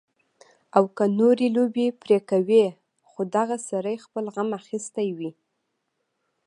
او کۀ نورې لوبې پرې کوي خو دغه سړے خپل غم اخستے وي